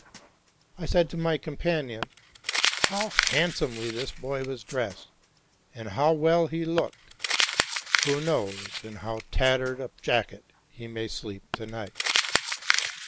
I said to my companion, '' How handsomely this boy was dressed, and how well he looked! who knows in how tattered a jacket he may sleep to night